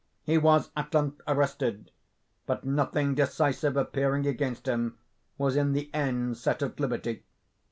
He was at length arrested, but nothing decisive appearing against him, was in the end set at liberty.